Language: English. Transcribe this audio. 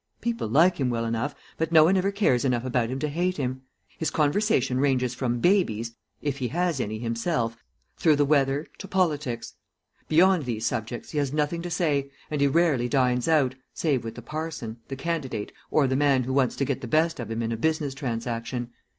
People like him well enough, but no one ever cares enough about him to hate him. His conversation ranges from babies if he has any himself through the weather to politics. Beyond these subjects he has nothing to say, and he rarely dines out, save with the parson, the candidate, or the man who wants to get the best of him in a business transaction.